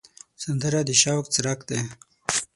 سندره د شوق څرک دی